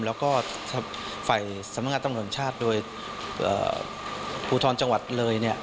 แล้วก็ฝ่ายสำนักงานตำรวจชาติโดยภูทรจังหวัดเลยเนี่ย